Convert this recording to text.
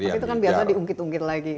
tapi itu kan biasa diungkit ungkit lagi